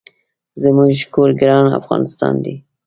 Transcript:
زمونږ کور ګران افغانستان دي